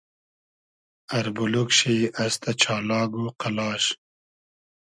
اربولوگ شی استۂ چالاگ و قئلاش